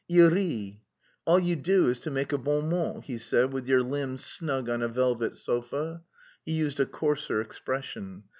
Il rit. 'All you do is to make a bon mot,' he said, 'with your limbs snug on a velvet sofa.'... (He used a coarser expression.)